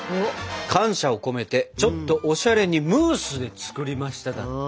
「感謝を込めてちょっとおしゃれにムースで作りました」だって！